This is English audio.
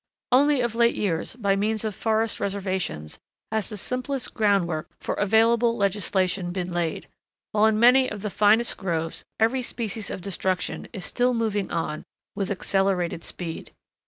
Only of late years by means of forest reservations has the simplest groundwork for available legislation been laid, while in many of the finest groves every species of destruction is still moving on with accelerated speed.